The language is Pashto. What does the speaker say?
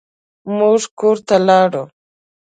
موږ کور ته لاړو.